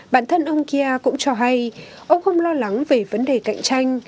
bản thân ông kia cũng cho hay ông không lo lắng về vấn đề cạnh tranh